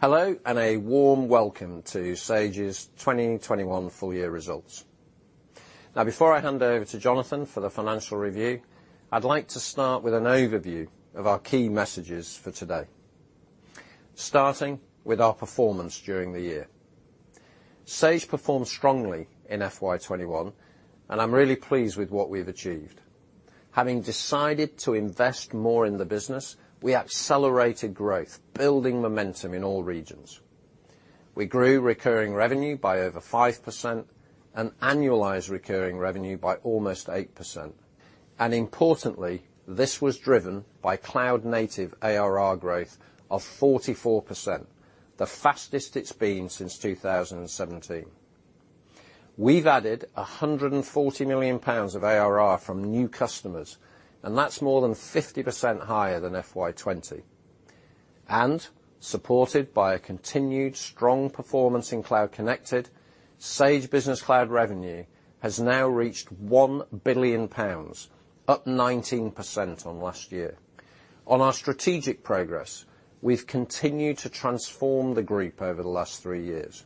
Hello, and a warm welcome to Sage's 2021 full-year results. Now, before I hand over to Jonathan for the financial review, I'd like to start with an overview of our key messages for today. Starting with our performance during the year. Sage performed strongly in FY 2021, and I'm really pleased with what we've achieved. Having decided to invest more in the business, we accelerated growth, building momentum in all regions. We grew recurring revenue by over 5% and annualized recurring revenue by almost 8%. Importantly, this was driven by cloud-native ARR growth of 44%, the fastest it's been since 2017. We've added 140 million pounds of ARR from new customers, and that's more than 50% higher than FY 2020. Supported by a continued strong performance in cloud-connected, Sage Business Cloud revenue has now reached 1 billion pounds, up 19% on last year. On our strategic progress, we've continued to transform the group over the last three years.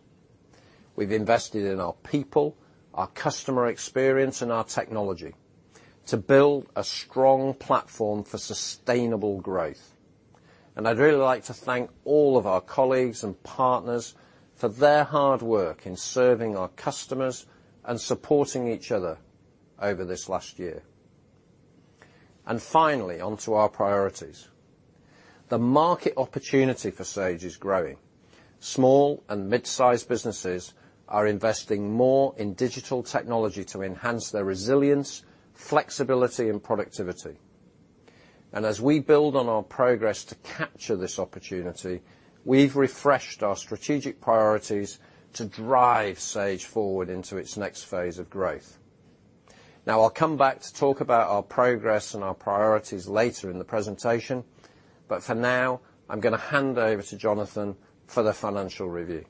We've invested in our people, our customer experience, and our technology to build a strong platform for sustainable growth. I'd really like to thank all of our colleagues and partners for their hard work in serving our customers and supporting each other over this last year. Finally, onto our priorities. The market opportunity for Sage is growing. Small and mid-sized businesses are investing more in digital technology to enhance their resilience, flexibility, and productivity. As we build on our progress to capture this opportunity, we've refreshed our strategic priorities to drive Sage forward into its next phase of growth. Now, I'll come back to talk about our progress and our priorities later in the presentation, but for now, I'm gonna hand over to Jonathan for the financial review.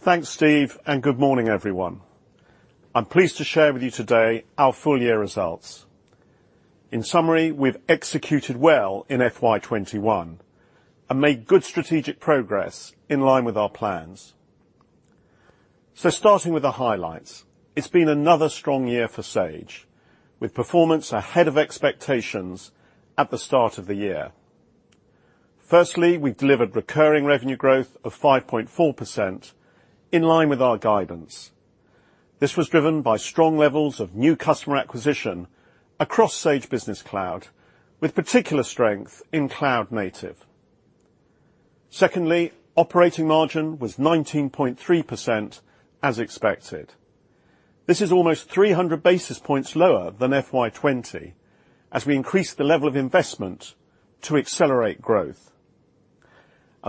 Thanks, Steve, and good morning, everyone. I'm pleased to share with you today our full year results. In summary, we've executed well in FY 2021 and made good strategic progress in line with our plans. Starting with the highlights, it's been another strong year for Sage, with performance ahead of expectations at the start of the year. Firstly, we've delivered recurring revenue growth of 5.4%, in line with our guidance. This was driven by strong levels of new customer acquisition across Sage Business Cloud, with particular strength in cloud-native. Secondly, operating margin was 19.3%, as expected. This is almost 300 basis points lower than FY 2020, as we increased the level of investment to accelerate growth.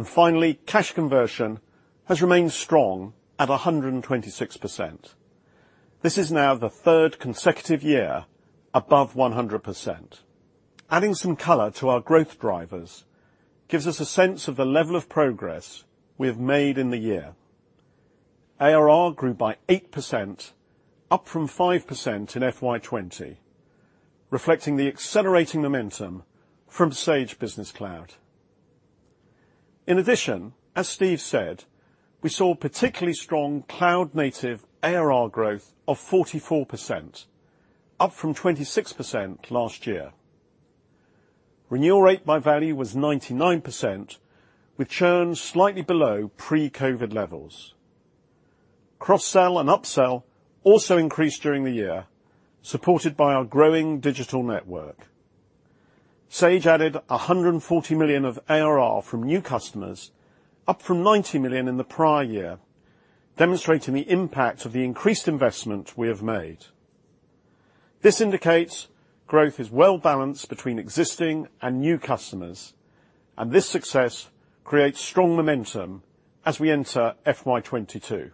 Finally, cash conversion has remained strong at 126%. This is now the third consecutive year above 100%. Adding some color to our growth drivers gives us a sense of the level of progress we have made in the year. ARR grew by 8%, up from 5% in FY 2020, reflecting the accelerating momentum from Sage Business Cloud. In addition, as Steve said, we saw particularly strong cloud-native ARR growth of 44%, up from 26% last year. Renewal rate by value was 99% with churn slightly below pre-COVID levels. Cross-sell and up-sell also increased during the year, supported by our growing digital network. Sage added 140 million of ARR from new customers, up from 90 million in the prior year, demonstrating the impact of the increased investment we have made. This indicates growth is well-balanced between existing and new customers, and this success creates strong momentum as we enter FY 2022.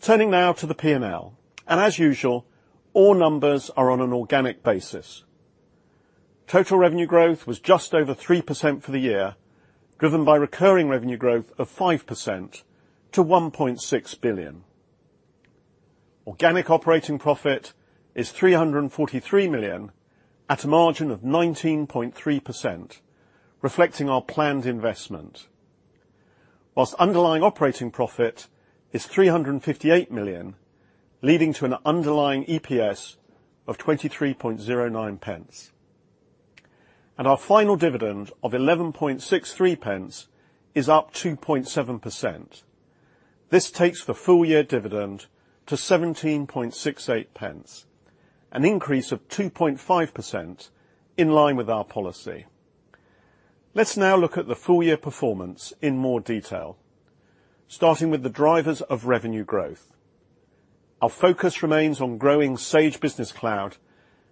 Turning now to the P&L, and as usual, all numbers are on an organic basis. Total revenue growth was just over 3% for the year, driven by recurring revenue growth of 5% to 1.6 billion. Organic operating profit is 343 million at a margin of 19.3%, reflecting our planned investment. While underlying operating profit is 358 million, leading to an underlying EPS of 0.2309. Our final dividend of 0.1163 is up 2.7%. This takes the full year dividend to 0.1768, an increase of 2.5% in line with our policy. Let's now look at the full year performance in more detail, starting with the drivers of revenue growth. Our focus remains on growing Sage Business Cloud,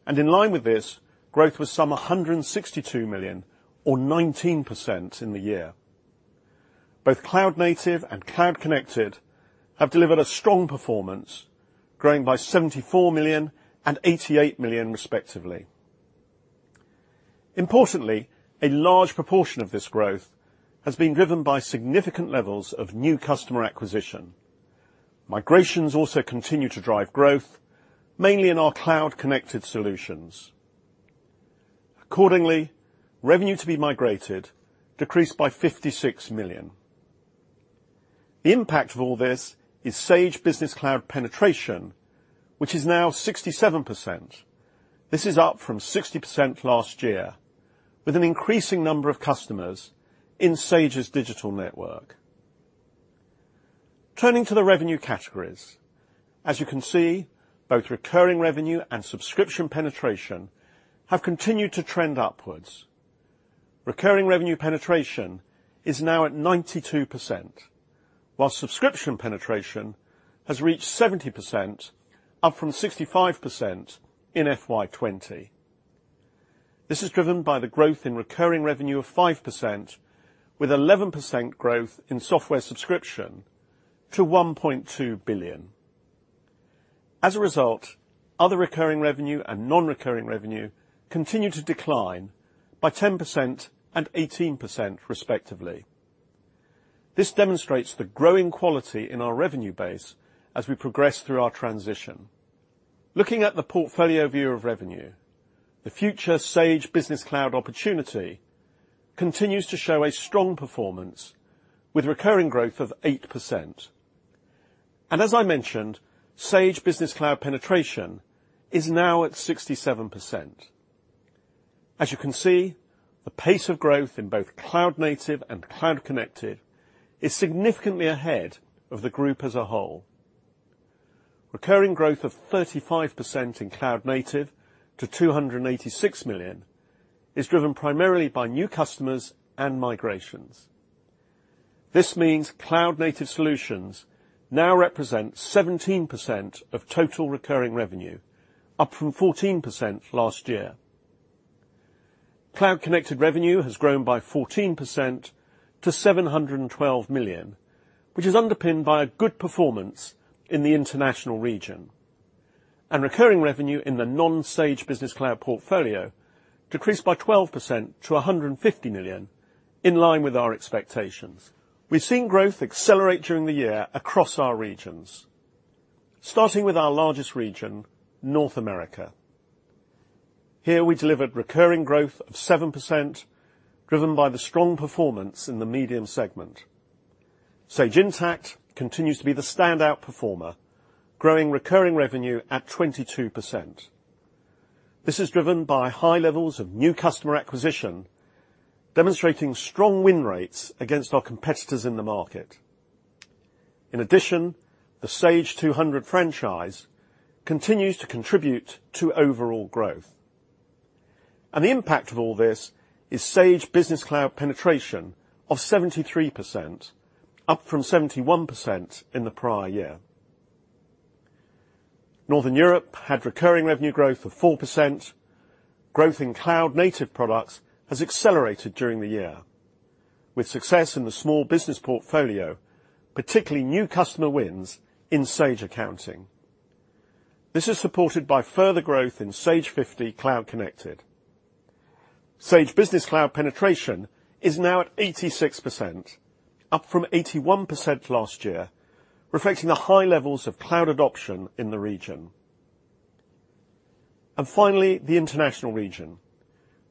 and in line with this, growth was some 162 million or 19% in the year. Both cloud-native and cloud-connected have delivered a strong performance, growing by 74 million and 88 million respectively. Importantly, a large proportion of this growth has been driven by significant levels of new customer acquisition. Migrations also continue to drive growth, mainly in our cloud-connected solutions. Accordingly, revenue to be migrated decreased by 56 million. The impact of all this is Sage Business Cloud penetration, which is now 67%. This is up from 60% last year, with an increasing number of customers in Sage's digital network. Turning to the revenue categories. As you can see, both recurring revenue and subscription penetration have continued to trend upwards. Recurring revenue penetration is now at 92%, while subscription penetration has reached 70%, up from 65% in FY 2020. This is driven by the growth in recurring revenue of 5%, with 11% growth in software subscription to 1.2 billion. As a result, other recurring revenue and non-recurring revenue continue to decline by 10% and 18% respectively. This demonstrates the growing quality in our revenue base as we progress through our transition. Looking at the portfolio view of revenue, the future Sage Business Cloud opportunity continues to show a strong performance with recurring growth of 8%. As I mentioned, Sage Business Cloud penetration is now at 67%. As you can see, the pace of growth in both cloud-native and cloud-connected is significantly ahead of the group as a whole. Recurring growth of 35% in cloud-native to 286 million is driven primarily by new customers and migrations. This means cloud-native solutions now represent 17% of total recurring revenue, up from 14% last year. Cloud-connected revenue has grown by 14% to 712 million, which is underpinned by a good performance in the international region. Recurring revenue in the non-Sage Business Cloud portfolio decreased by 12% to 150 million, in line with our expectations. We've seen growth accelerate during the year across our regions. Starting with our largest region, North America. Here we delivered recurring growth of 7%, driven by the strong performance in the medium segment. Sage Intacct continues to be the standout performer, growing recurring revenue at 22%. This is driven by high levels of new customer acquisition, demonstrating strong win rates against our competitors in the market. In addition, the Sage 200 franchise continues to contribute to overall growth. The impact of all this is Sage Business Cloud penetration of 73%, up from 71% in the prior year. Northern Europe had recurring revenue growth of 4%. Growth in cloud-native products has accelerated during the year, with success in the small business portfolio, particularly new customer wins in Sage Accounting. This is supported by further growth in Sage 50cloud. Sage Business Cloud penetration is now at 86%, up from 81% last year, reflecting the high levels of cloud adoption in the region. Finally, the international region,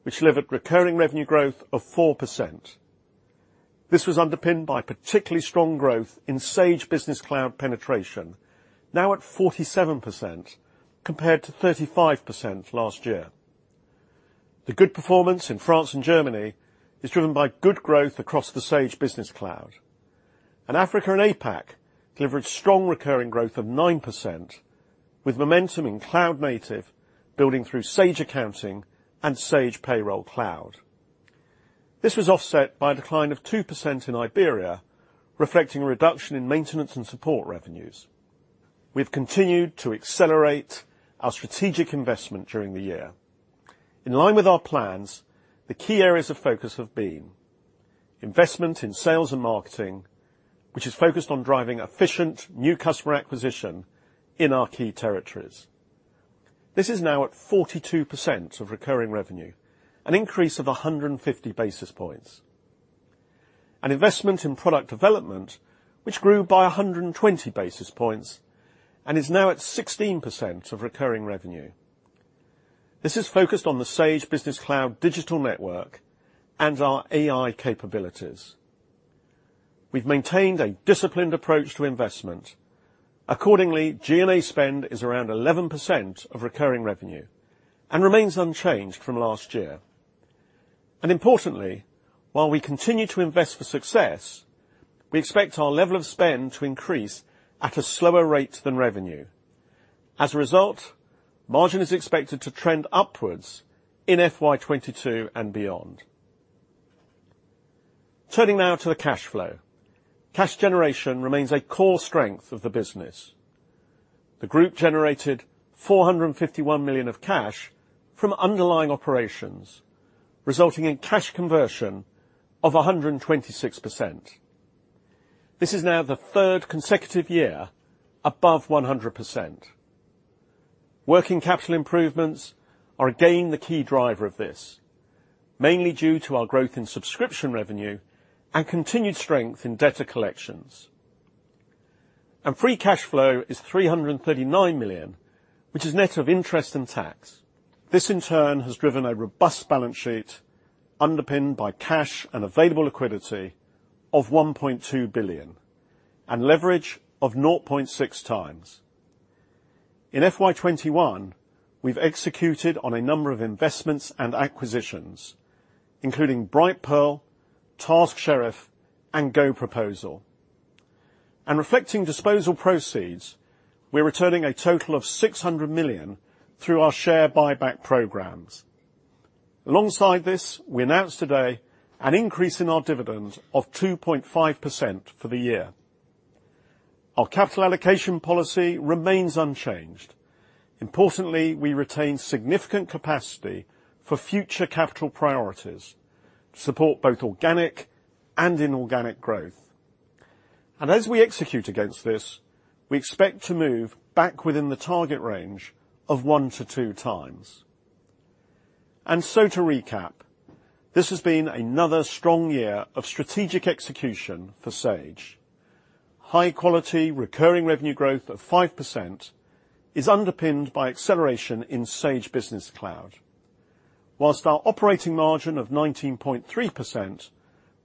which delivered recurring revenue growth of 4%. This was underpinned by particularly strong growth in Sage Business Cloud penetration, now at 47%, compared to 35% last year. The good performance in France and Germany is driven by good growth across the Sage Business Cloud. Africa and APAC delivered strong recurring growth of 9%, with momentum in cloud-native building through Sage Accounting and Sage Payroll Cloud. This was offset by a decline of 2% in Iberia, reflecting a reduction in maintenance and support revenues. We've continued to accelerate our strategic investment during the year. In line with our plans, the key areas of focus have been investment in sales and marketing, which is focused on driving efficient new customer acquisition in our key territories. This is now at 42% of recurring revenue, an increase of 150 basis points. Investment in product development, which grew by 120 basis points and is now at 16% of recurring revenue. This is focused on the Sage Business Cloud digital network and our AI capabilities. We've maintained a disciplined approach to investment. Accordingly, G&A spend is around 11% of recurring revenue and remains unchanged from last year. Importantly, while we continue to invest for success, we expect our level of spend to increase at a slower rate than revenue. As a result, margin is expected to trend upwards in FY 2022 and beyond. Turning now to the cash flow. Cash generation remains a core strength of the business. The group generated 451 million of cash from underlying operations, resulting in cash conversion of 126%. This is now the third consecutive year above 100%. Working capital improvements are again the key driver of this, mainly due to our growth in subscription revenue and continued strength in debtor collections. Free cash flow is 339 million, which is net of interest and tax. This in turn has driven a robust balance sheet underpinned by cash and available liquidity of 1.2 billion and leverage of 0.6 times. In FY 2021, we've executed on a number of investments and acquisitions, including Brightpearl, Task Sheriff, and GoProposal. Reflecting disposal proceeds, we're returning a total of 600 million through our share buyback programs. Alongside this, we announced today an increase in our dividend of 2.5% for the year. Our capital allocation policy remains unchanged. Importantly, we retain significant capacity for future capital priorities to support both organic and inorganic growth. As we execute against this, we expect to move back within the target range of 1-2 times. To recap, this has been another strong year of strategic execution for Sage. High-quality recurring revenue growth of 5% is underpinned by acceleration in Sage Business Cloud. While our operating margin of 19.3%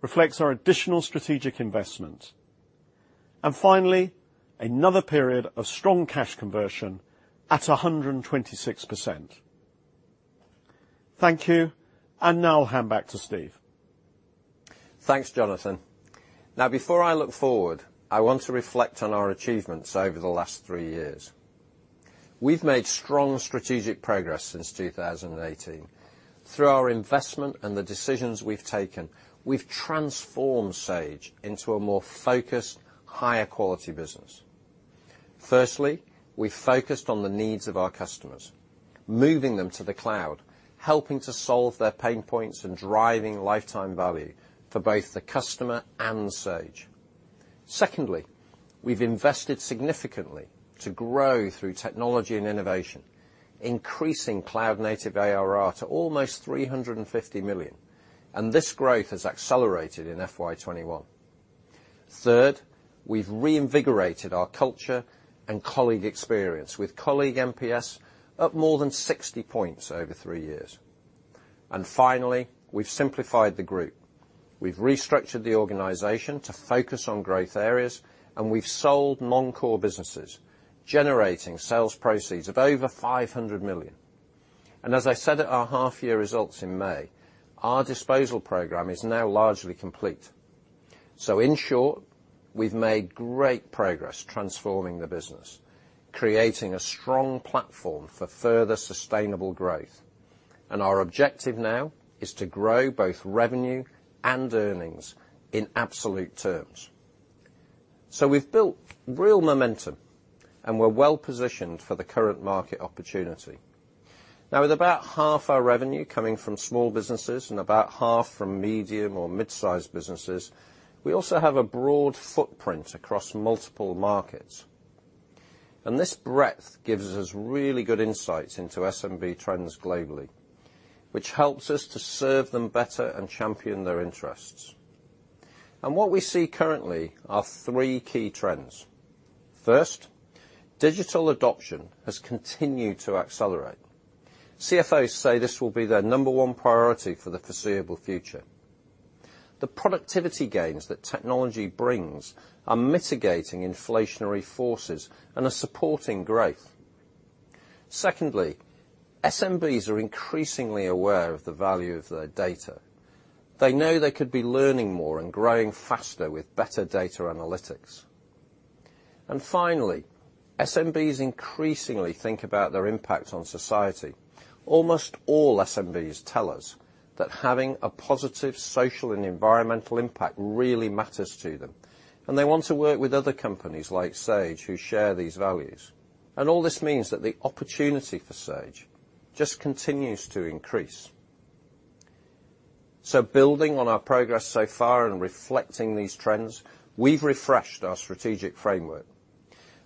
reflects our additional strategic investment. Finally, another period of strong cash conversion at 126%. Thank you, and now I'll hand back to Steve. Thanks, Jonathan. Now, before I look forward, I want to reflect on our achievements over the last three years. We've made strong strategic progress since 2018. Through our investment and the decisions we've taken, we've transformed Sage into a more focused, higher quality business. Firstly, we focused on the needs of our customers, moving them to the cloud, helping to solve their pain points and driving lifetime value for both the customer and Sage. Secondly, we've invested significantly to grow through technology and innovation, increasing cloud-native ARR to almost 350 million, and this growth has accelerated in FY 2021. Third, we've reinvigorated our culture and colleague experience with colleague NPS up more than 60 points over three years. Finally, we've simplified the group. We've restructured the organization to focus on growth areas, and we've sold non-core businesses, generating sales proceeds of over 500 million. As I said at our half-year results in May, our disposal program is now largely complete. In short, we've made great progress transforming the business, creating a strong platform for further sustainable growth. Our objective now is to grow both revenue and earnings in absolute terms. We've built real momentum, and we're well-positioned for the current market opportunity. With about half our revenue coming from small businesses and about half from medium or mid-sized businesses, we also have a broad footprint across multiple markets. This breadth gives us really good insights into SMB trends globally, which helps us to serve them better and champion their interests. What we see currently are three key trends. First, digital adoption has continued to accelerate. CFOs say this will be their number one priority for the foreseeable future. The productivity gains that technology brings are mitigating inflationary forces and are supporting growth. Secondly, SMBs are increasingly aware of the value of their data. They know they could be learning more and growing faster with better data analytics. Finally, SMBs increasingly think about their impact on society. Almost all SMBs tell us that having a positive social and environmental impact really matters to them, and they want to work with other companies like Sage who share these values. All this means that the opportunity for Sage just continues to increase. Building on our progress so far and reflecting these trends, we've refreshed our strategic framework.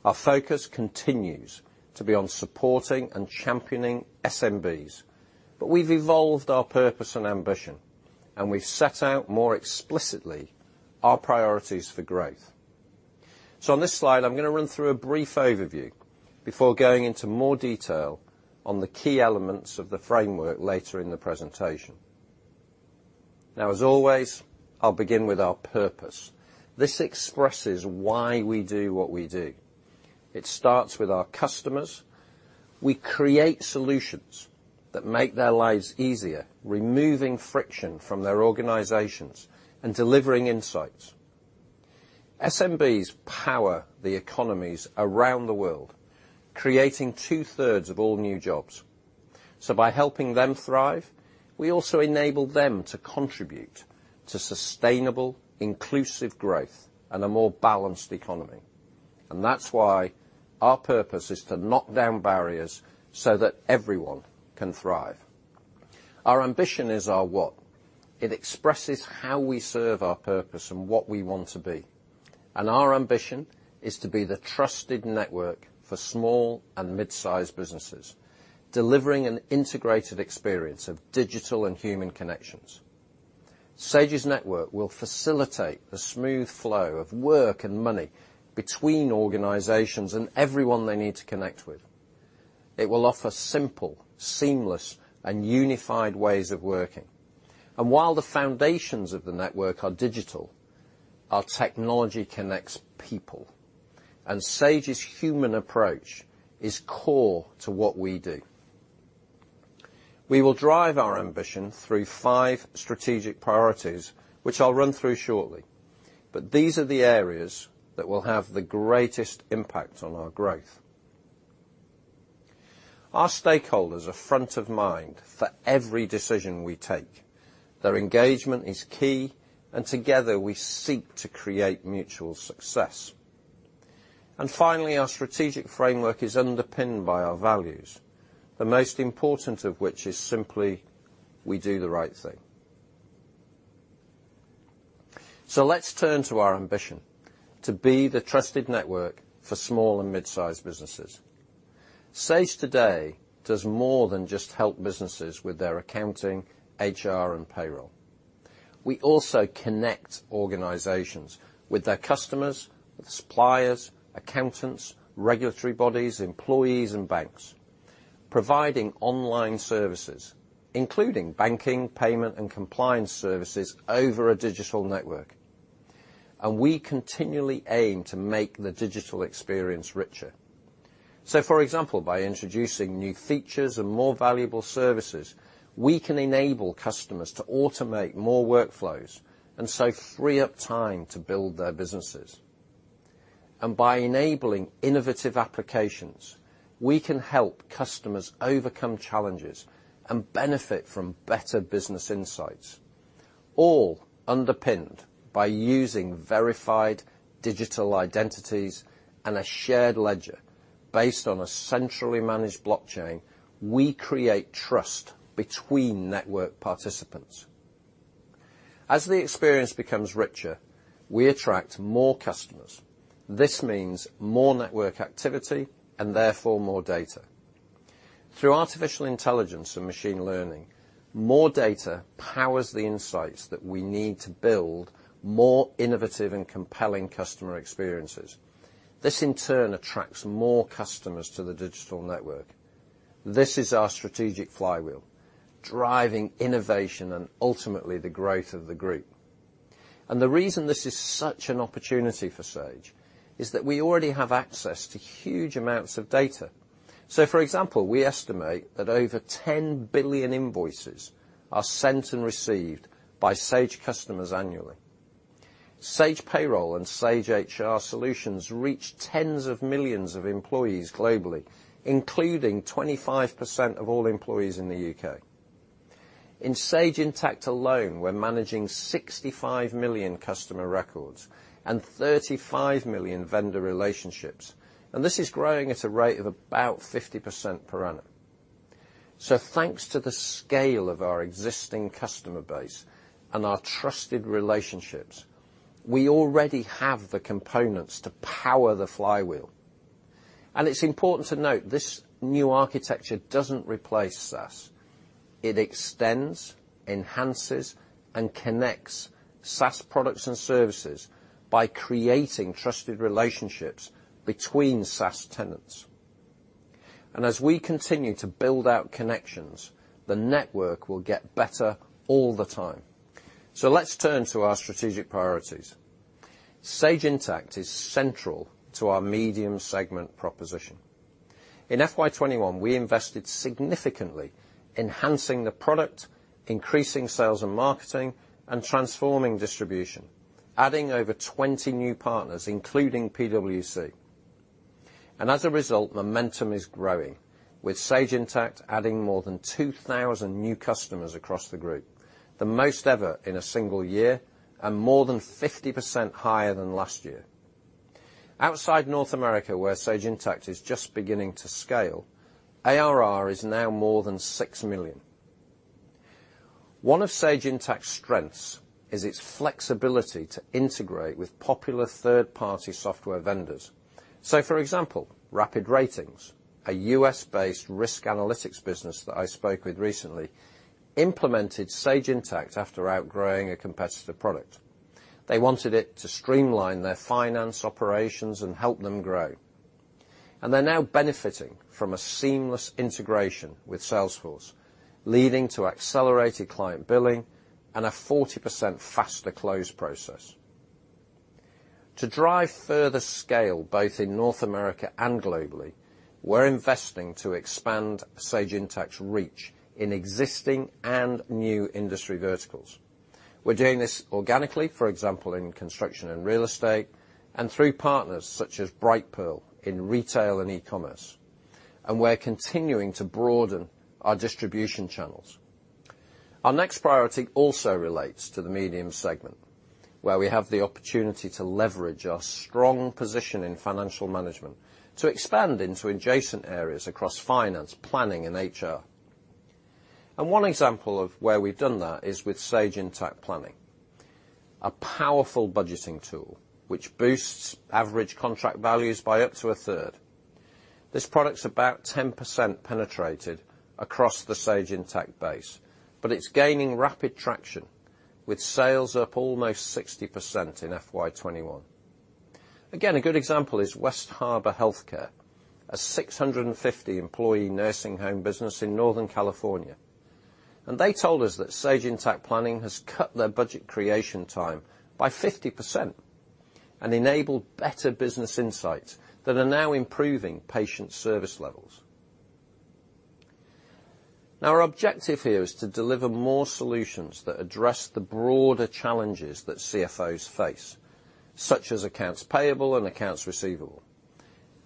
Our focus continues to be on supporting and championing SMBs, but we've evolved our purpose and ambition, and we've set out more explicitly our priorities for growth. On this slide, I'm gonna run through a brief overview before going into more detail on the key elements of the framework later in the presentation. Now, as always, I'll begin with our purpose. This expresses why we do what we do. It starts with our customers. We create solutions that make their lives easier, removing friction from their organizations and delivering insights. SMBs power the economies around the world, creating two-thirds of all new jobs. By helping them thrive, we also enable them to contribute to sustainable, inclusive growth and a more balanced economy. That's why our purpose is to knock down barriers so that everyone can thrive. Our ambition is our what. It expresses how we serve our purpose and what we want to be. Our ambition is to be the trusted network for small and mid-sized businesses, delivering an integrated experience of digital and human connections. Sage's network will facilitate the smooth flow of work and money between organizations and everyone they need to connect with. It will offer simple, seamless, and unified ways of working. While the foundations of the network are digital, our technology connects people. Sage's human approach is core to what we do. We will drive our ambition through five strategic priorities, which I'll run through shortly. These are the areas that will have the greatest impact on our growth. Our stakeholders are front of mind for every decision we take. Their engagement is key, and together, we seek to create mutual success. Finally, our strategic framework is underpinned by our values, the most important of which is simply, we do the right thing. Let's turn to our ambition to be the trusted network for small and mid-sized businesses. Sage today does more than just help businesses with their accounting, HR, and payroll. We also connect organizations with their customers, with suppliers, accountants, regulatory bodies, employees, and banks, providing online services, including banking, payment, and compliance services over a digital network. We continually aim to make the digital experience richer. For example, by introducing new features and more valuable services, we can enable customers to automate more workflows, and so free up time to build their businesses. By enabling innovative applications, we can help customers overcome challenges and benefit from better business insights, all underpinned by using verified digital identities and a shared ledger. Based on a centrally managed blockchain, we create trust between network participants. As the experience becomes richer, we attract more customers. This means more network activity, and therefore, more data. Through artificial intelligence and machine learning, more data powers the insights that we need to build more innovative and compelling customer experiences. This, in turn, attracts more customers to the digital network. This is our strategic flywheel, driving innovation and ultimately the growth of the group. The reason this is such an opportunity for Sage is that we already have access to huge amounts of data. For example, we estimate that over 10 billion invoices are sent and received by Sage customers annually. Sage Payroll and Sage HR solutions reach tens of millions of employees globally, including 25% of all employees in the U.K. In Sage Intacct alone, we're managing 65 million customer records and 35 million vendor relationships, and this is growing at a rate of about 50% per annum. Thanks to the scale of our existing customer base and our trusted relationships, we already have the components to power the flywheel. It's important to note, this new architecture doesn't replace SaaS. It extends, enhances, and connects SaaS products and services by creating trusted relationships between SaaS tenants. As we continue to build out connections, the network will get better all the time. Let's turn to our strategic priorities. Sage Intacct is central to our medium segment proposition. In FY 2021, we invested significantly, enhancing the product, increasing sales and marketing, and transforming distribution, adding over 20 new partners, including PwC. As a result, momentum is growing, with Sage Intacct adding more than 2,000 new customers across the group, the most ever in a single year and more than 50% higher than last year. Outside North America, where Sage Intacct is just beginning to scale, ARR is now more than 6 million. One of Sage Intacct's strengths is its flexibility to integrate with popular third-party software vendors. For example, RapidRatings, a U.S.-based risk analytics business that I spoke with recently, implemented Sage Intacct after outgrowing a competitor product. They wanted it to streamline their finance operations and help them grow. They're now benefiting from a seamless integration with Salesforce, leading to accelerated client billing and a 40% faster close process. To drive further scale, both in North America and globally, we're investing to expand Sage Intacct's reach in existing and new industry verticals. We're doing this organically, for example, in construction and real estate, and through partners such as Brightpearl in retail and e-commerce, and we're continuing to broaden our distribution channels. Our next priority also relates to the medium segment, where we have the opportunity to leverage our strong position in financial management to expand into adjacent areas across finance, planning, and HR. One example of where we've done that is with Sage Intacct Planning. A powerful budgeting tool which boosts average contract values by up to a third. This product's about 10% penetrated across the Sage Intacct base, but it's gaining rapid traction, with sales up almost 60% in FY 2021. Again, a good example is Westborough Healthcare, a 650 employee nursing home business in Northern California. They told us that Sage Intacct Planning has cut their budget creation time by 50%, and enabled better business insights that are now improving patient service levels. Our objective here is to deliver more solutions that address the broader challenges that CFOs face, such as accounts payable and accounts receivable.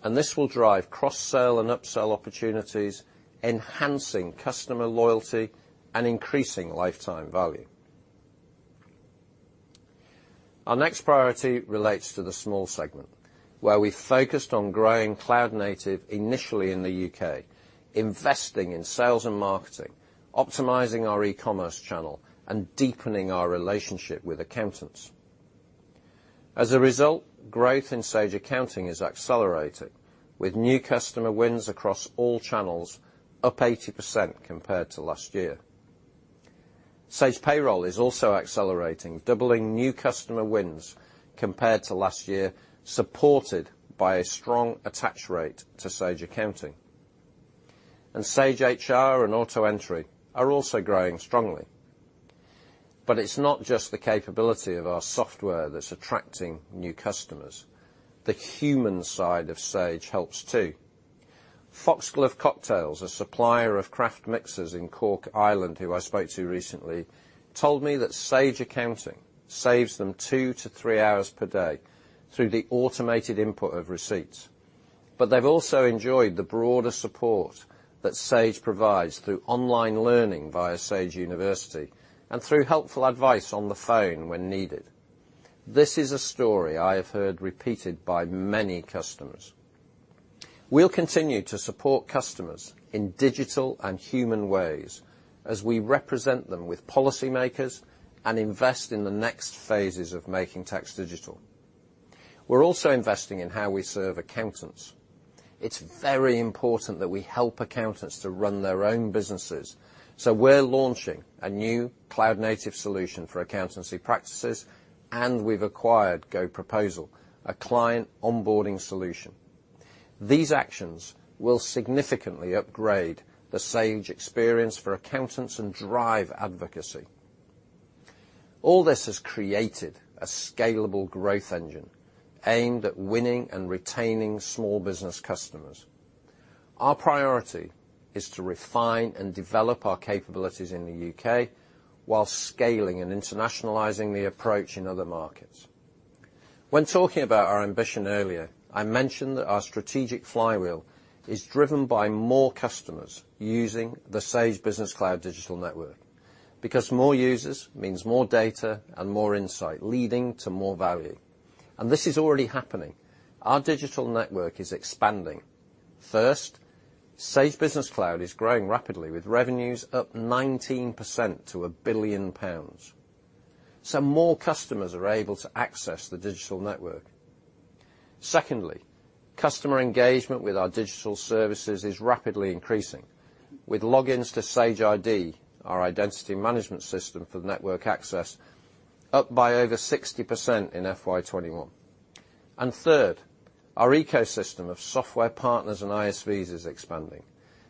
This will drive cross-sell and up-sell opportunities, enhancing customer loyalty and increasing lifetime value. Our next priority relates to the small segment, where we focused on growing cloud-native initially in the U.K., investing in sales and marketing, optimizing our e-commerce channel, and deepening our relationship with accountants. As a result, growth in Sage Accounting is accelerating, with new customer wins across all channels up 80% compared to last year. Sage Payroll is also accelerating, doubling new customer wins compared to last year, supported by a strong attach rate to Sage Accounting. Sage HR and AutoEntry are also growing strongly. It's not just the capability of our software that's attracting new customers. The human side of Sage helps too. Foxglove Cocktails, a supplier of craft mixers in Cork, Ireland, who I spoke to recently, told me that Sage Accounting saves them two-three hours per day through the automated input of receipts. They've also enjoyed the broader support that Sage provides through online learning via Sage University and through helpful advice on the phone when needed. This is a story I have heard repeated by many customers. We'll continue to support customers in digital and human ways as we represent them with policymakers and invest in the next phases of Making Tax Digital. We're also investing in how we serve accountants. It's very important that we help accountants to run their own businesses, so we're launching a new cloud-native solution for accountancy practices, and we've acquired GoProposal, a client onboarding solution. These actions will significantly upgrade the Sage experience for accountants and drive advocacy. All this has created a scalable growth engine aimed at winning and retaining small business customers. Our priority is to refine and develop our capabilities in the U.K. while scaling and internationalizing the approach in other markets. When talking about our ambition earlier, I mentioned that our strategic flywheel is driven by more customers using the Sage Business Cloud digital network, because more users means more data and more insight, leading to more value. This is already happening. Our digital network is expanding. First, Sage Business Cloud is growing rapidly, with revenues up 19% to 1 billion pounds. More customers are able to access the digital network. Secondly, customer engagement with our digital services is rapidly increasing, with logins to Sage ID, our identity management system for network access, up by over 60% in FY 2021. Third, our ecosystem of software partners and ISVs is expanding.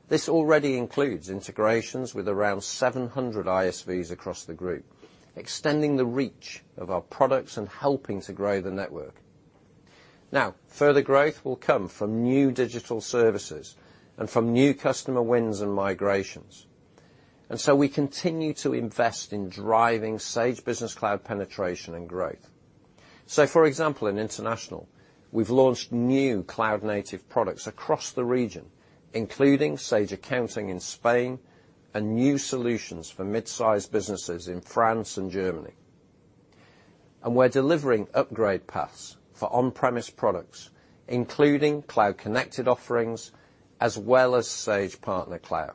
This already includes integrations with around 700 ISVs across the group, extending the reach of our products and helping to grow the network. Now, further growth will come from new digital services and from new customer wins and migrations. We continue to invest in driving Sage Business Cloud penetration and growth. For example, in international, we've launched new cloud-native products across the region, including Sage Accounting in Spain and new solutions for midsize businesses in France and Germany. We're delivering upgrade paths for on-premise products, including cloud-connected offerings as well as Sage Partner Cloud.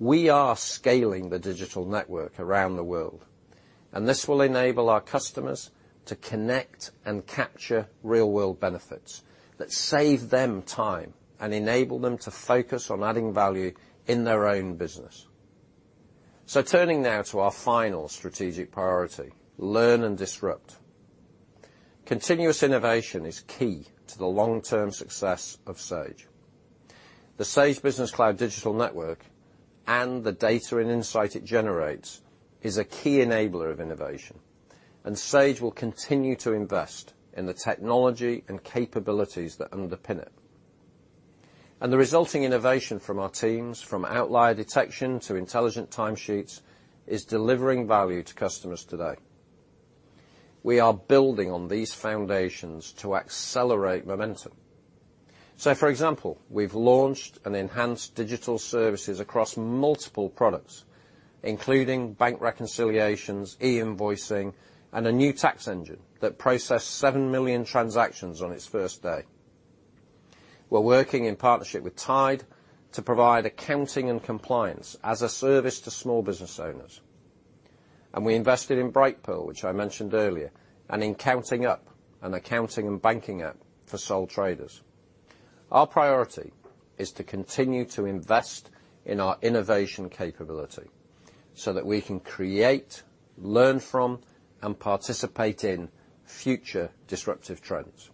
We are scaling the digital network around the world, and this will enable our customers to connect and capture real-world benefits that save them time and enable them to focus on adding value in their own business. Turning now to our final strategic priority, learn and disrupt. Continuous innovation is key to the long-term success of Sage. The Sage Business Cloud digital network and the data and insight it generates is a key enabler of innovation, and Sage will continue to invest in the technology and capabilities that underpin it. The resulting innovation from our teams, from outlier detection to intelligent time sheets, is delivering value to customers today. We are building on these foundations to accelerate momentum. For example, we've launched and enhanced digital services across multiple products, including bank reconciliations, e-invoicing, and a new tax engine that processed seven million transactions on its first day. We're working in partnership with Tide to provide accounting and compliance as a service to small business owners. We invested in Brightpearl, which I mentioned earlier, and in Countingup, an accounting and banking app for sole traders. Our priority is to continue to invest in our innovation capability so that we can create, learn from, and participate in future disruptive trends.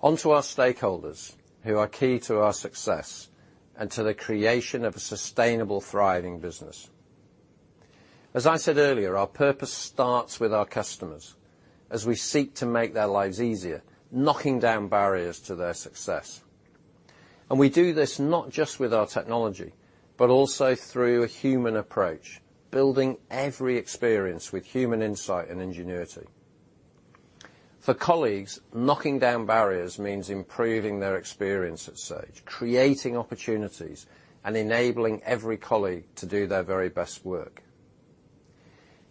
On to our stakeholders who are key to our success and to the creation of a sustainable, thriving business. As I said earlier, our purpose starts with our customers as we seek to make their lives easier, knocking down barriers to their success. We do this not just with our technology, but also through a human approach, building every experience with human insight and ingenuity. For colleagues, knocking down barriers means improving their experience at Sage, creating opportunities, and enabling every colleague to do their very best work.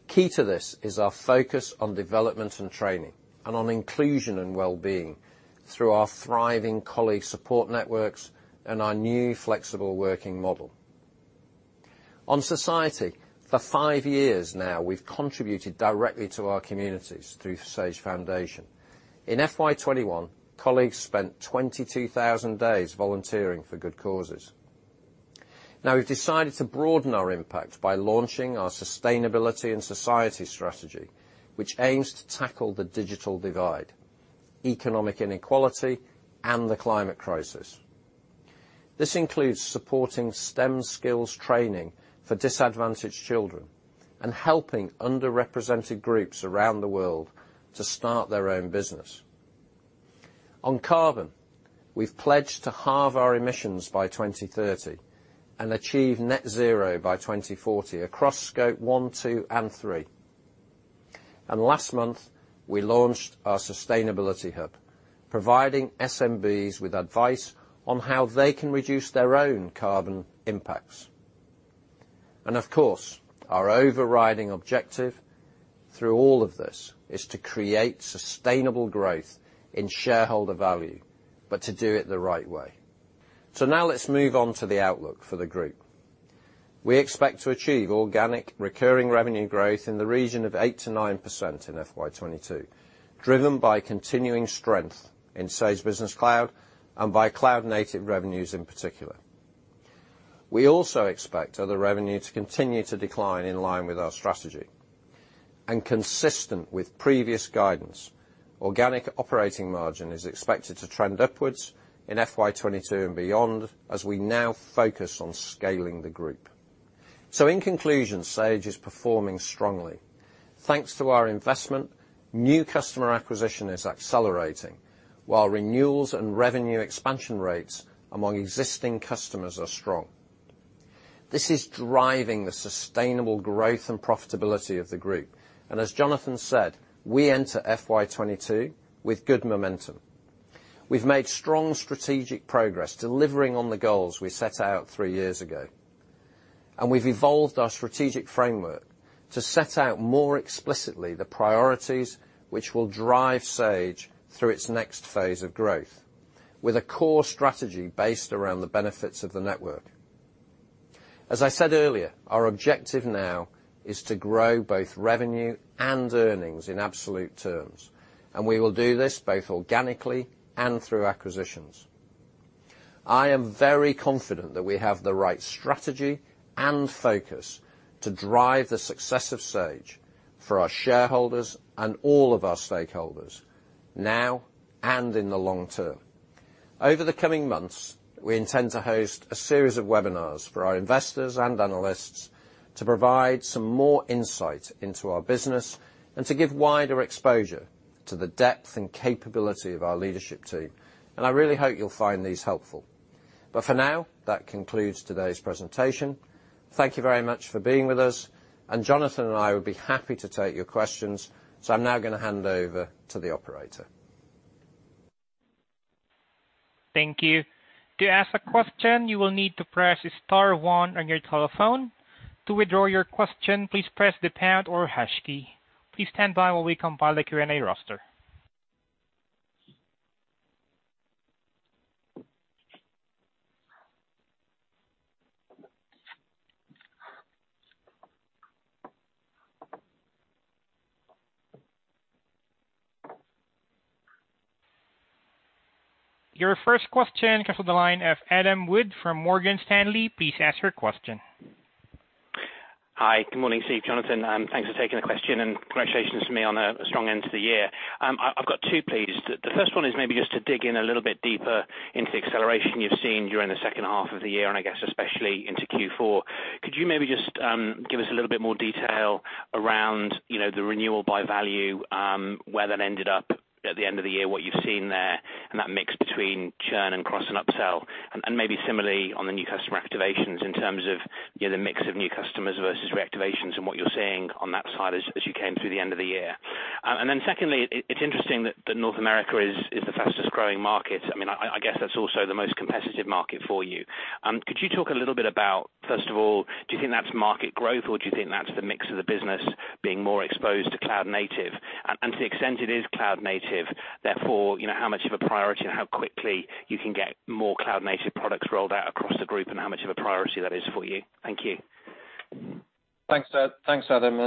Key to this is our focus on development and training and on inclusion and wellbeing through our thriving colleague support networks and our new flexible working model. On society, for five years now, we've contributed directly to our communities through Sage Foundation. In FY 2021, colleagues spent 22,000 days volunteering for good causes. Now we've decided to broaden our impact by launching our sustainability and society strategy, which aims to tackle the digital divide, economic inequality, and the climate crisis. This includes supporting STEM skills training for disadvantaged children and helping underrepresented groups around the world to start their own business. On carbon, we've pledged to halve our emissions by 2030 and achieve net zero by 2040 across Scope one, two, and three. Last month, we launched our sustainability hub, providing SMBs with advice on how they can reduce their own carbon impacts. Of course, our overriding objective through all of this is to create sustainable growth in shareholder value, but to do it the right way. Now let's move on to the outlook for the group. We expect to achieve organic recurring revenue growth in the region of 8%-9% in FY 2022, driven by continuing strength in Sage Business Cloud and by cloud-native revenues in particular. We also expect other revenue to continue to decline in line with our strategy. Consistent with previous guidance, organic operating margin is expected to trend upwards in FY 2022 and beyond as we now focus on scaling the group. In conclusion, Sage is performing strongly. Thanks to our investment, new customer acquisition is accelerating, while renewals and revenue expansion rates among existing customers are strong. This is driving the sustainable growth and profitability of the group. As Jonathan said, we enter FY 2022 with good momentum. We've made strong strategic progress delivering on the goals we set out three years ago. We've evolved our strategic framework to set out more explicitly the priorities which will drive Sage through its next phase of growth, with a core strategy based around the benefits of the network. As I said earlier, our objective now is to grow both revenue and earnings in absolute terms, and we will do this both organically and through acquisitions. I am very confident that we have the right strategy and focus to drive the success of Sage for our shareholders and all of our stakeholders now and in the long term. Over the coming months, we intend to host a series of webinars for our investors and analysts to provide some more insight into our business and to give wider exposure to the depth and capability of our leadership team. I really hope you'll find these helpful. For now, that concludes today's presentation. Thank you very much for being with us, and Jonathan and I will be happy to take your questions. I'm now gonna hand over to the operator. Thank you. To ask a question, you will need to press star one on your telephone. To withdraw your question, please press the pound or hash key. Please stand by while we compile the Q&A roster. Your first question comes on the line of Adam Wood from Morgan Stanley. Please ask your question. Hi. Good morning, Steve, Jonathan. Thanks for taking the question, and congratulations to you on a strong end to the year. I've got two, please. The first one is maybe just to dig in a little bit deeper into the acceleration you've seen during the second half of the year, and I guess especially into Q4. Could you maybe just give us a little bit more detail around, you know, the renewal by value, where that ended up at the end of the year, what you've seen there, and that mix between churn and cross and upsell? Maybe similarly on the new customer activations in terms of, you know, the mix of new customers versus reactivations and what you're seeing on that side as you came through the end of the year. Secondly, it's interesting that North America is the fastest-growing market. I mean, I guess that's also the most competitive market for you. Could you talk a little bit about, first of all, do you think that's market growth, or do you think that's the mix of the business being more exposed to cloud-native? And to the extent it is cloud-native, therefore, you know, how much of a priority and how quickly you can get more cloud-native products rolled out across the group and how much of a priority that is for you? Thank you. Thanks, Adam.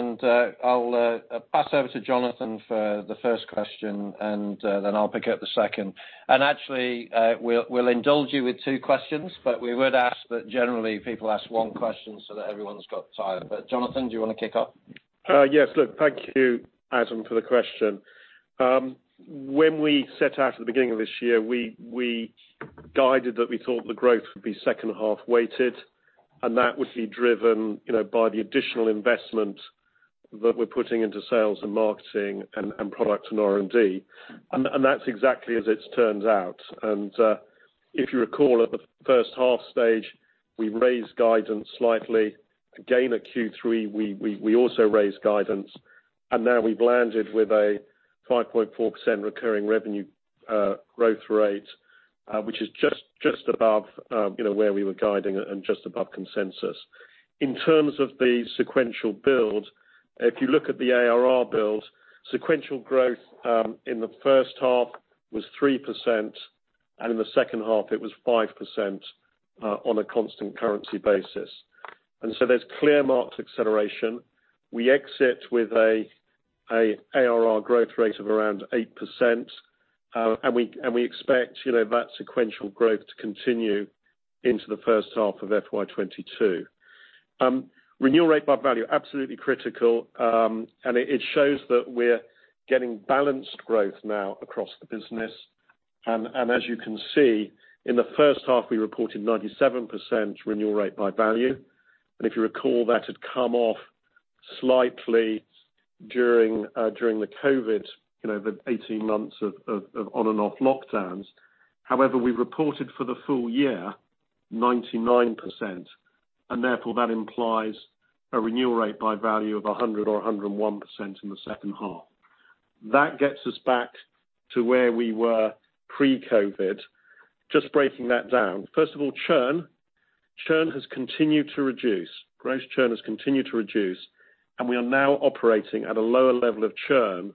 I'll pass over to Jonathan for the first question, and then I'll pick up the second. Actually, we'll indulge you with two questions, but we would ask that generally people ask one question so that everyone's got time. Jonathan, do you wanna kick off? Yes. Look, thank you, Adam, for the question. When we set out at the beginning of this year, we guided that we thought the growth would be second half weighted, and that would be driven, you know, by the additional investment that we're putting into sales and marketing and product and R&D. That's exactly as it's turned out. If you recall, at the first half stage, we raised guidance slightly. Again, at Q3, we also raised guidance, and now we've landed with a 5.4% recurring revenue growth rate, which is just above where we were guiding and just above consensus. In terms of the sequential build, if you look at the ARR build, sequential growth, in the first half was 3%, and in the second half it was 5%, on a constant currency basis. There's clearly marked acceleration. We exit with a ARR growth rate of around 8%, and we expect, you know, that sequential growth to continue into the first half of FY 2022. Renewal rate by value, absolutely critical, and it shows that we're getting balanced growth now across the business. As you can see, in the first half, we reported 97% renewal rate by value. If you recall, that had come off slightly during the COVID, you know, the 18 months of on-and-off lockdowns. However, we reported for the full year 99%, and therefore that implies a renewal rate by value of 100% or 101% in the second half. That gets us back to where we were pre-COVID. Just breaking that down, first of all, churn. Churn has continued to reduce. Gross churn has continued to reduce, and we are now operating at a lower level of churn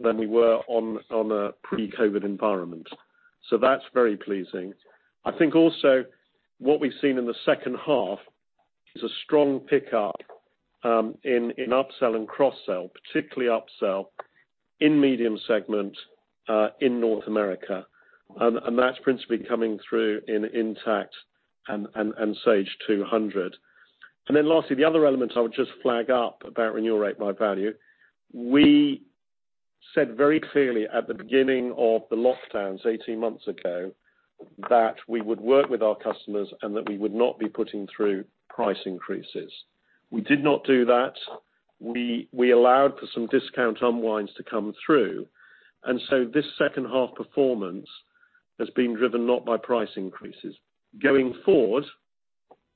than we were on a pre-COVID environment. That's very pleasing. I think also what we've seen in the second half is a strong pickup in an upsell and cross-sell, particularly upsell in medium segment in North America. And that's principally coming through in Intacct and Sage 200. Then lastly, the other element I would just flag up about renewal rate by value, we said very clearly at the beginning of the lockdowns 18 months ago that we would work with our customers and that we would not be putting through price increases. We did not do that. We allowed for some discount unwinds to come through. This second half performance has been driven not by price increases. Going forward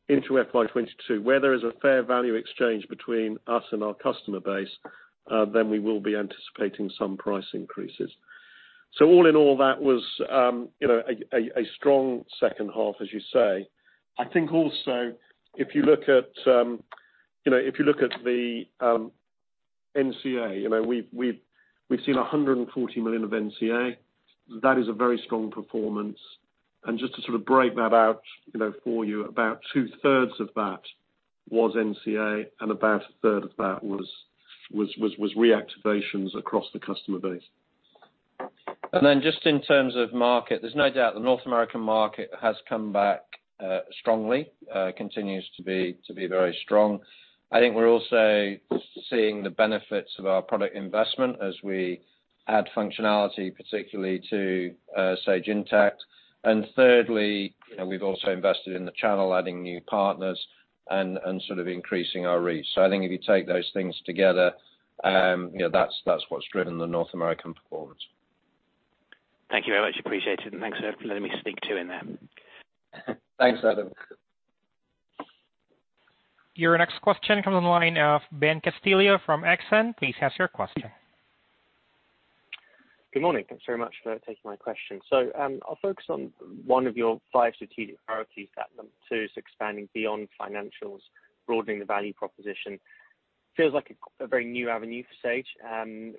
into FY 2022, where there is a fair value exchange between us and our customer base, then we will be anticipating some price increases. All in all, that was, you know, a strong second half, as you say. I think also if you look at the NCA, you know, we've seen 140 million of NCA. That is a very strong performance. Just to sort of break that out, you know, for you, about two-thirds of that was NCA and about a third of that was reactivations across the customer base. Then just in terms of market, there's no doubt the North American market has come back strongly, continues to be very strong. I think we're also seeing the benefits of our product investment as we add functionality, particularly to Sage Intacct. Thirdly, you know, we've also invested in the channel, adding new partners and sort of increasing our reach. I think if you take those things together, you know, that's what's driven the North American performance. Thank you very much. Appreciate it. Thanks for letting me sneak two in there. Thanks, Adam. Your next question comes on the line of Ben Castillo from Exane. Please ask your question. Good morning. Thanks very much for taking my question. I'll focus on one of your five strategic priorities at number two is expanding beyond financials, broadening the value proposition. Feels like a very new avenue for Sage.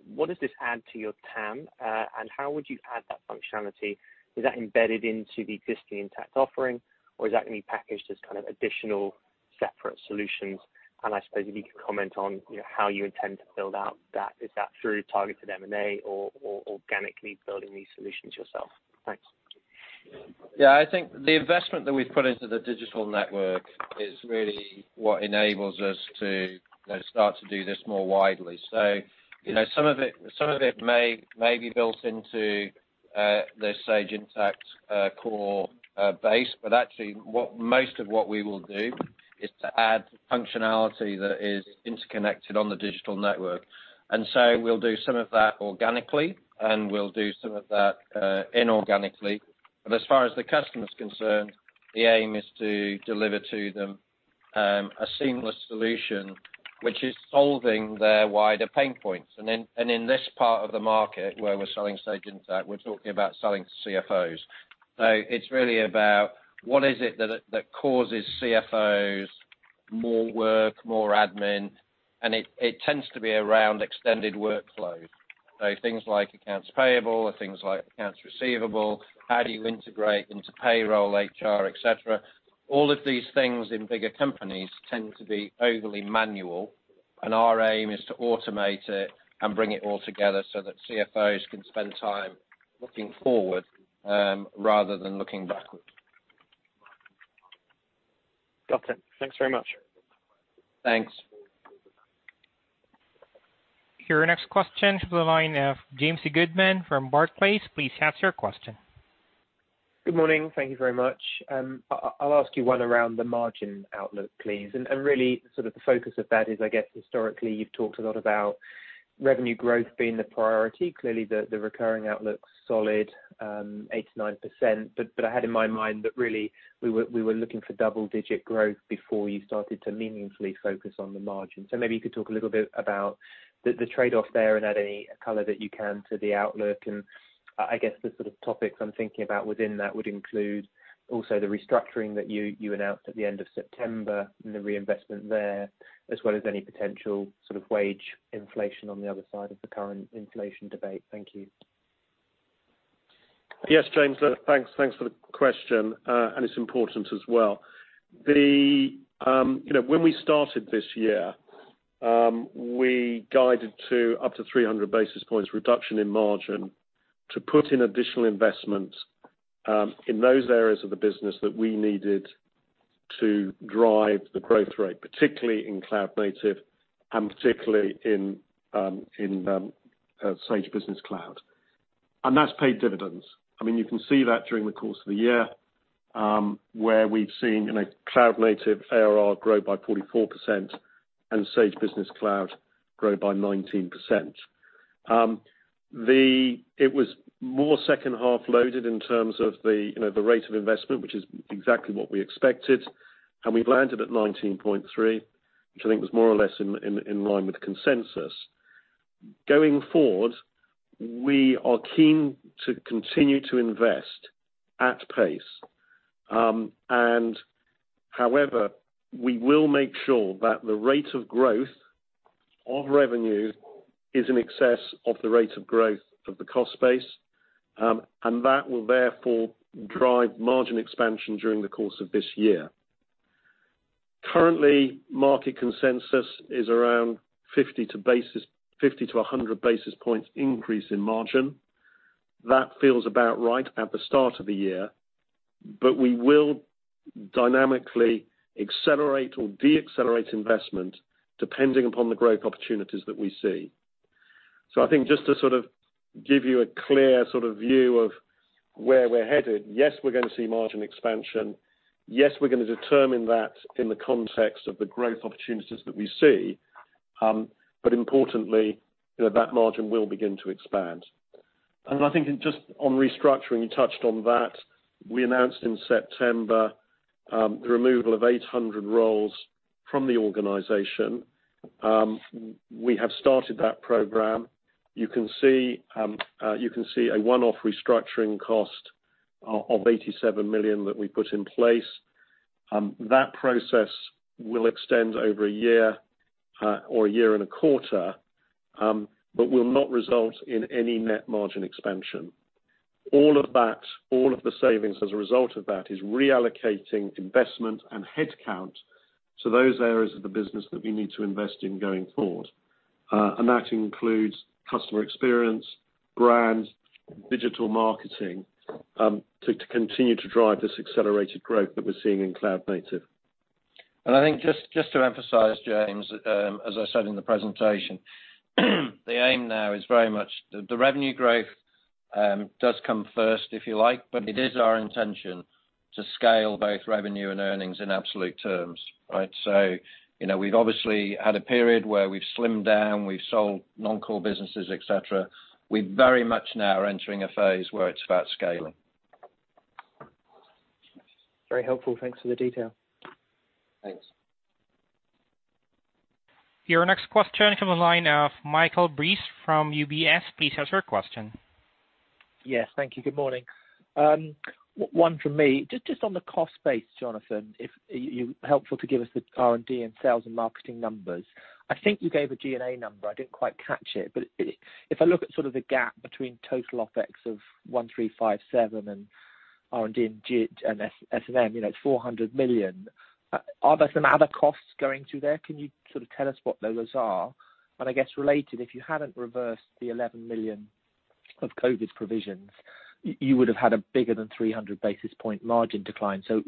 What does this add to your TAM, and how would you add that functionality? Is that embedded into the existing Sage Intacct offering, or is that gonna be packaged as kind of additional separate solutions? I suppose if you could comment on, you know, how you intend to build out that. Is that through targeted M&A or organically building these solutions yourself? Thanks. Yeah, I think the investment that we've put into the digital network is really what enables us to, you know, start to do this more widely. You know, some of it may be built into the Sage Intacct core base. Actually, what most of what we will do is to add functionality that is interconnected on the digital network. We'll do some of that organically, and we'll do some of that inorganically. As far as the customer's concerned, the aim is to deliver to them a seamless solution which is solving their wider pain points. In this part of the market where we're selling Sage Intacct, we're talking about selling to CFOs. It's really about what causes CFOs more work, more admin, and it tends to be around extended workflows. Things like accounts payable, or things like accounts receivable, how do you integrate into payroll, HR, et cetera? All of these things in bigger companies tend to be overly manual, and our aim is to automate it and bring it all together so that CFOs can spend time looking forward, rather than looking backwards. Got it. Thanks very much. Thanks. Your next question comes from the line of James Goodman from Barclays. Please ask your question. Good morning. Thank you very much. I'll ask you one around the margin outlook, please. Really sort of the focus of that is, I guess, historically you've talked a lot about revenue growth being the priority. Clearly the recurring outlook's solid, 89%. I had in my mind that really we were looking for double-digit growth before you started to meaningfully focus on the margin. Maybe you could talk a little bit about the trade-off there and add any color that you can to the outlook. I guess the sort of topics I'm thinking about within that would include also the restructuring that you announced at the end of September, and the reinvestment there, as well as any potential sort of wage inflation on the other side of the current inflation debate. Thank you. Yes, James. Thanks. Thanks for the question, and it's important as well. You know, when we started this year, we guided to up to 300 basis points reduction in margin to put in additional investments, in those areas of the business that we needed to drive the growth rate, particularly in cloud-native, and particularly in Sage Business Cloud. That's paid dividends. I mean, you can see that during the course of the year, where we've seen cloud-native ARR grow by 44% and Sage Business Cloud grow by 19%. It was more second half loaded in terms of the rate of investment, which is exactly what we expected, and we've landed at 19.3%, which I think was more or less in line with consensus. Going forward, we are keen to continue to invest at pace. However, we will make sure that the rate of growth of revenue is in excess of the rate of growth of the cost base, and that will therefore drive margin expansion during the course of this year. Currently, market consensus is around 50-100 basis points increase in margin. That feels about right at the start of the year. We will dynamically accelerate or decelerate investment depending upon the growth opportunities that we see. I think just to sort of give you a clear sort of view of where we're headed, yes, we're gonna see margin expansion. Yes, we're gonna determine that in the context of the growth opportunities that we see, but importantly, you know, that margin will begin to expand. I think just on restructuring, you touched on that. We announced in September the removal of 800 roles from the organization. We have started that program. You can see a one-off restructuring cost of 87 million that we put in place. That process will extend over a year or a year and a quarter, but will not result in any net margin expansion. All of that, all of the savings as a result of that, is reallocating investment and headcount to those areas of the business that we need to invest in going forward. That includes customer experience, brand, digital marketing, to continue to drive this accelerated growth that we're seeing in cloud-native. I think just to emphasize James, as I said in the presentation, the aim now is very much the revenue growth does come first, if you like, but it is our intention to scale both revenue and earnings in absolute terms, right? So, you know, we've obviously had a period where we've slimmed down, we've sold non-core businesses, et cetera. We very much now are entering a phase where it's about scaling. Very helpful. Thanks for the detail. Thanks. Your next question comes from the line of Michael Briest from UBS. Please ask your question. Yes, thank you. Good morning. One from me. Just on the cost base, Jonathan, if you're helpful to give us the R&D and sales and marketing numbers. I think you gave a G&A number. I didn't quite catch it. If I look at sort of the gap between total OpEx of 1,357 and R&D and S&M, you know, it's 400 million. Are there some other costs going through there? Can you sort of tell us what those are? I guess related, if you hadn't reversed the 11 million of COVID provisions, you would have had a bigger than 300 basis points margin decline. Can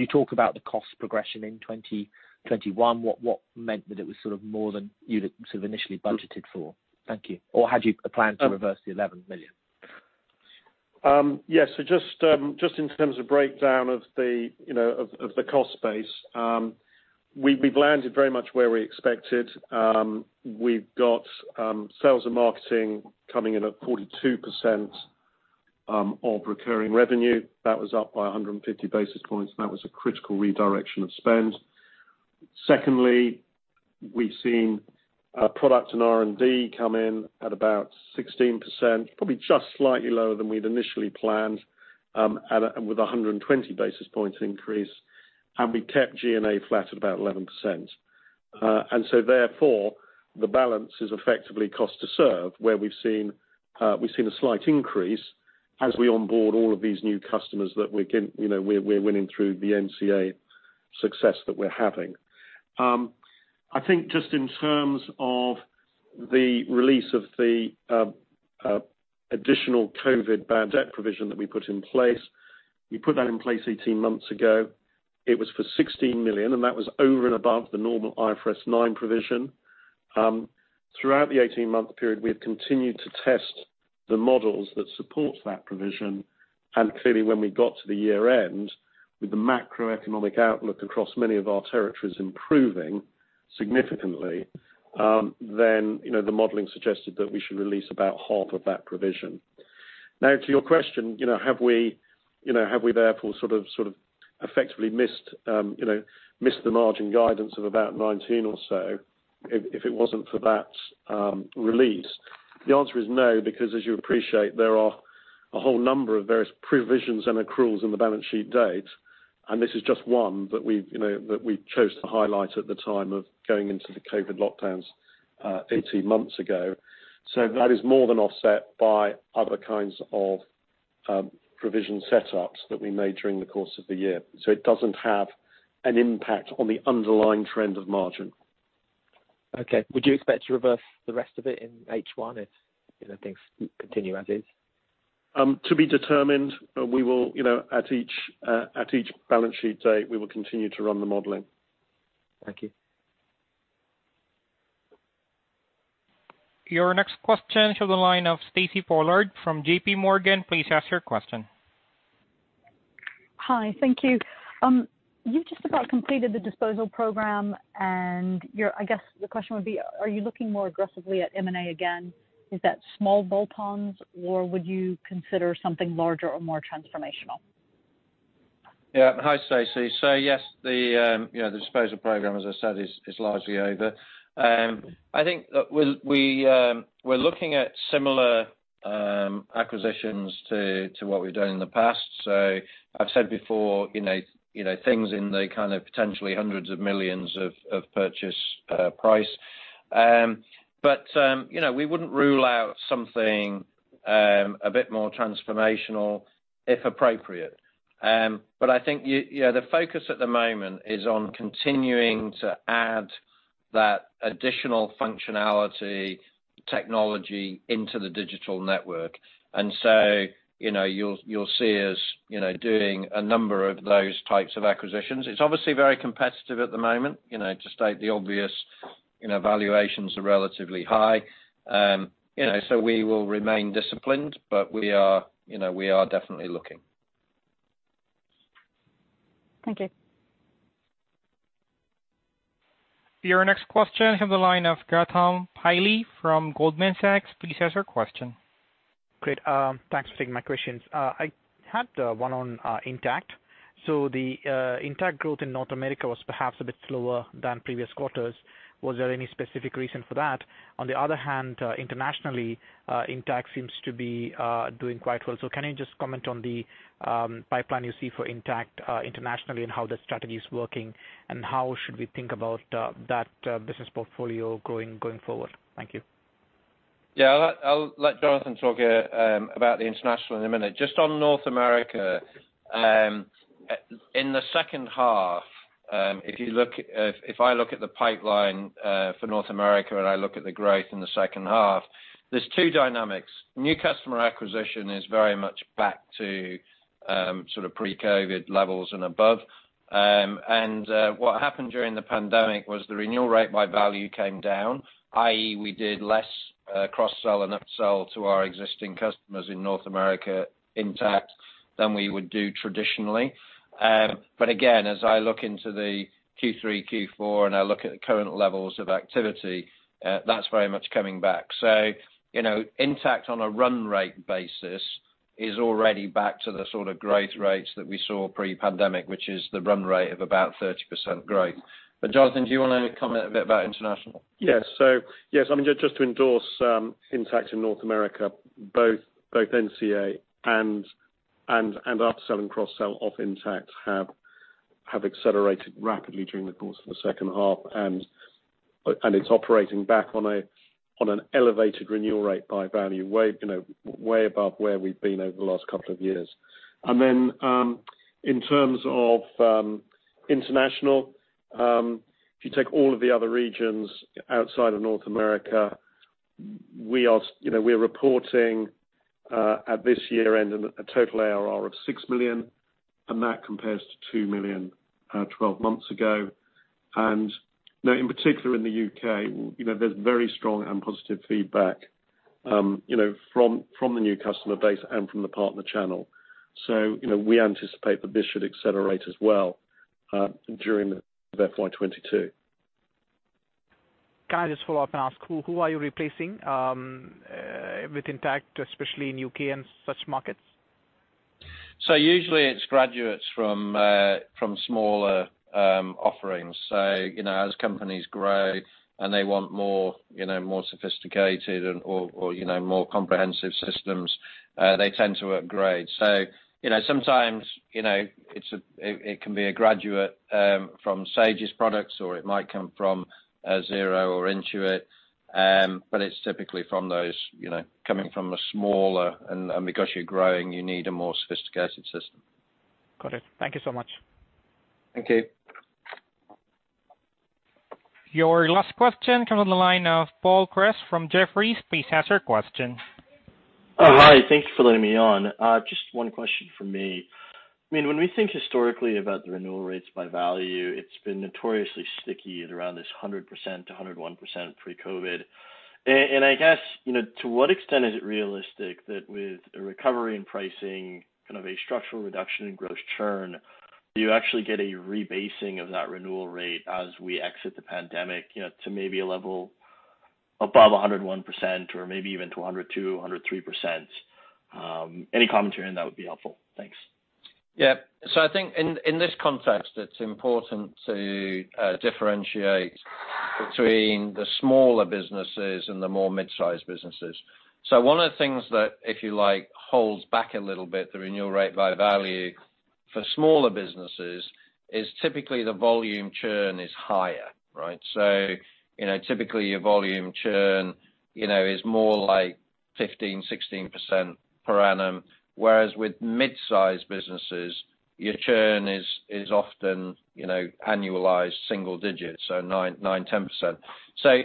you talk about the cost progression in 2021? What meant that it was sort of more than you'd sort of initially budgeted for? Thank you. Or had you a plan to reverse the 11 million? Yes. Just in terms of breakdown of the, you know, of the cost base, we've landed very much where we expected. We've got sales and marketing coming in at 42% of recurring revenue. That was up by 150 basis points. That was a critical redirection of spend. Secondly, we've seen our product and R&D come in at about 16%, probably just slightly lower than we'd initially planned, with a 120 basis points increase. We kept G&A flat at about 11%. Therefore, the balance is effectively cost to serve where we've seen a slight increase as we onboard all of these new customers that we can, you know, we're winning through the NCA success that we're having. I think just in terms of the release of the additional COVID bad debt provision that we put in place 18 months ago. It was for 16 million, and that was over and above the normal IFRS 9 provision. Throughout the 18-month period, we have continued to test the models that support that provision. Clearly, when we got to the year end, with the macroeconomic outlook across many of our territories improving significantly, then, you know, the modeling suggested that we should release about half of that provision. Now to your question, you know, have we therefore sort of effectively missed the margin guidance of about 19% or so if it wasn't for that release? The answer is no, because as you appreciate, there are a whole number of various provisions and accruals in the balance sheet date, and this is just one that we, you know, that we chose to highlight at the time of going into the COVID lockdowns, 18 months ago. That is more than offset by other kinds of provision setups that we made during the course of the year. It doesn't have an impact on the underlying trend of margin. Okay. Would you expect to reverse the rest of it in H1 if, you know, things continue as is? To be determined. We will, you know, at each balance sheet date, we will continue to run the modeling. Thank you. Your next question comes on the line of Stacy Pollard from JPMorgan. Please ask your question. Hi. Thank you. You've just about completed the disposal program. I guess the question would be, are you looking more aggressively at M&A again? Is that small bolt-ons, or would you consider something larger or more transformational? Yeah. Hi, Stacy. Yes, the disposal program, as I said, is largely over. I think that we're looking at similar acquisitions to what we've done in the past. I've said before, you know, things in the kind of potentially GBP hundreds of millions purchase price. But you know, we wouldn't rule out something a bit more transformational, if appropriate. But I think you know, the focus at the moment is on continuing to add that additional functionality technology into the digital network. You know, you'll see us you know, doing a number of those types of acquisitions. It's obviously very competitive at the moment. You know, to state the obvious, you know, valuations are relatively high. You know, we will remain disciplined, but we are, you know, we are definitely looking. Thank you. Your next question comes on the line of Gautam Pillai from Goldman Sachs. Please ask your question. Great. Thanks for taking my questions. I had one on Intacct. The Intacct growth in North America was perhaps a bit slower than previous quarters. Was there any specific reason for that? On the other hand, internationally, Intacct seems to be doing quite well. Can you just comment on the pipeline you see for Intacct internationally and how the strategy is working, and how should we think about that business portfolio going forward? Thank you. Yeah. I'll let Jonathan talk about the international in a minute. Just on North America, in the second half, if I look at the pipeline for North America and I look at the growth in the second half, there's two dynamics. New customer acquisition is very much back to sort of pre-COVID levels and above. What happened during the pandemic was the renewal rate by value came down, i.e., we did less cross-sell and upsell to our existing customers in North America, Intacct than we would do traditionally. Again, as I look into the Q3, Q4, and I look at the current levels of activity, that's very much coming back. You know, Intacct on a run rate basis is already back to the sort of growth rates that we saw pre-pandemic, which is the run rate of about 30% growth. Jonathan, do you wanna comment a bit about international? Yes. Yes, I mean, just to endorse, Intacct in North America, both NCA and upsell and cross-sell off Intacct have accelerated rapidly during the course of the second half, and it's operating back on an elevated renewal rate by value, you know, way above where we've been over the last couple of years. In terms of international, if you take all of the other regions outside of North America, we are, you know, we're reporting at this year end a total ARR of 6 million, and that compares to 2 million 12 months ago. In particular in the U.K., you know, there's very strong and positive feedback, you know, from the new customer base and from the partner channel. You know, we anticipate that this should accelerate as well during the FY 2022. Can I just follow up and ask who are you replacing with Intacct, especially in U.K. and such markets? Usually it's graduates from smaller offerings. You know, as companies grow and they want more sophisticated or more comprehensive systems, they tend to upgrade. You know, sometimes it can be a graduate from Sage's products, or it might come from a Xero or Intuit. But it's typically from those coming from a smaller. Because you're growing, you need a more sophisticated system. Got it. Thank you so much. Thank you. Your last question comes on the line of Paul Kratz from Jefferies. Please ask your question. Hi. Thank you for letting me on. Just one question from me. I mean, when we think historically about the renewal rates by value, it's been notoriously sticky at around 100%-101% pre-COVID. And I guess, you know, to what extent is it realistic that with a recovery in pricing, kind of a structural reduction in gross churn, do you actually get a rebasing of that renewal rate as we exit the pandemic, you know, to maybe a level above 101% or maybe even to 102%, 103%? Any commentary on that would be helpful. Thanks. Yeah. I think in this context, it's important to differentiate between the smaller businesses and the more mid-sized businesses. One of the things that, if you like, holds back a little bit the renewal rate by value for smaller businesses is typically the volume churn is higher, right? You know, typically your volume churn, you know, is more like 15, 16% per annum, whereas with mid-sized businesses, your churn is often, you know, annualized single digits, so 9, 10%.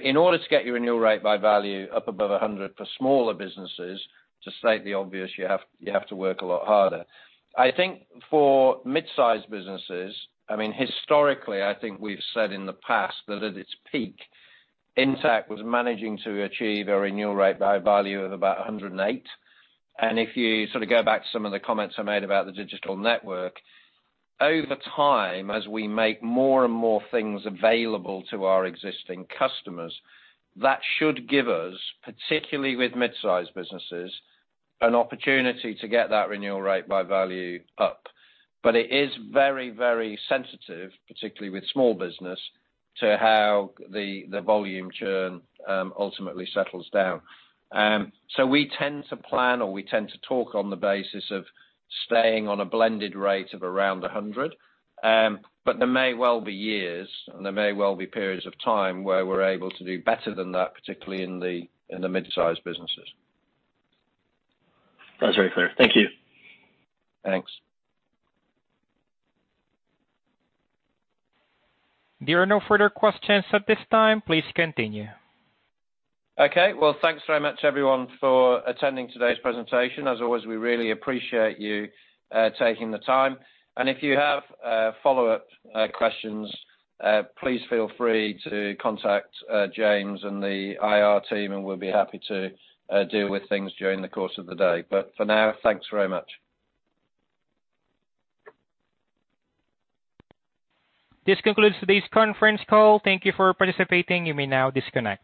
In order to get your renewal rate by value up above 100 for smaller businesses, to state the obvious, you have to work a lot harder. I think for mid-sized businesses, I mean, historically, I think we've said in the past that at its peak, Intacct was managing to achieve a renewal rate by value of about 108%. If you sort of go back to some of the comments I made about the digital network, over time, as we make more and more things available to our existing customers, that should give us, particularly with mid-sized businesses, an opportunity to get that renewal rate by value up. It is very, very sensitive, particularly with small business, to how the volume churn ultimately settles down. So we tend to plan, or we tend to talk on the basis of staying on a blended rate of around 100%. There may well be years, and there may well be periods of time where we're able to do better than that, particularly in the mid-sized businesses. That's very clear. Thank you. Thanks. There are no further questions at this time. Please continue. Okay. Well, thanks very much, everyone, for attending today's presentation. As always, we really appreciate you taking the time. If you have follow-up questions, please feel free to contact James and the IR team, and we'll be happy to deal with things during the course of the day. For now, thanks very much. This concludes today's conference call. Thank you for participating. You may now disconnect.